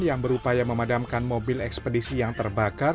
yang berupaya memadamkan mobil ekspedisi yang terbakar